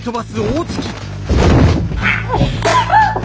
「あっ！」。